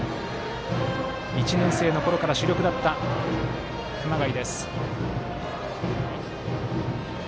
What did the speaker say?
１年生のころから主力だった熊谷。